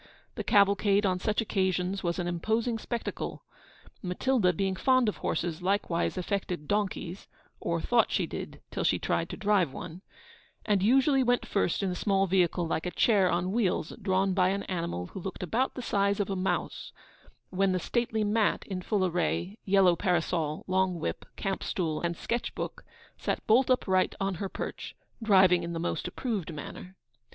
The cavalcade on such occasions was an imposing spectacle. Matilda being fond of horses likewise affected donkeys (or thought she did, till she tried to drive one), and usually went first in a small vehicle like a chair on wheels, drawn by an animal who looked about the size of a mouse, when the stately Mat in full array, yellow parasol, long whip, camp stool, and sketch book, sat bolt upright on her perch, driving in the most approved manner.